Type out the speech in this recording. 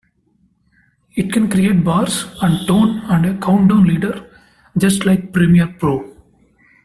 It can create bars and tone and a countdown leader, just like Premiere Pro.